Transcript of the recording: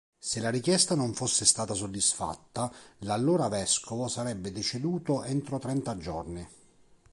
Se la richiesta non fosse stata soddisfatta l'allora vescovo sarebbe deceduto entro trenta giorni.